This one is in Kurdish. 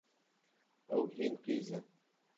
Ew hîn qîz e.